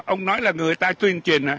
ông nói là người ta tuyên truyền